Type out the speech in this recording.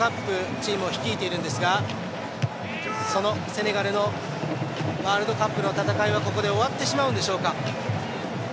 チームを率いているんですがそのセネガルのワールドカップの戦いは、ここで終わってしまうんでしょうか。